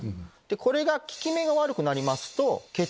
これが効き目が悪くなりますと。